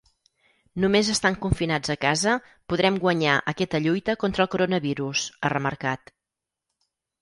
Només estant confinats a casa podrem guanyar aquesta lluita contra el coronavirus, ha remarcat.